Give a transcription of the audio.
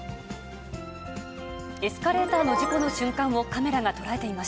エスカレーターの事故の瞬間